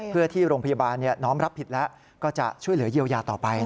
เพื่อที่โรงพยาบาลน้อมรับผิดแล้วก็จะช่วยเหลือเยียวยาต่อไป